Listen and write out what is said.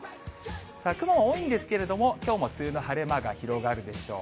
雲は多いんですけれども、きょうも梅雨の晴れ間が広がるでしょう。